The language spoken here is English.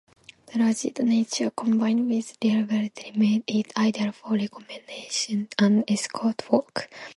The rugged nature combined with reliability made it ideal for reconnaissance and escort work.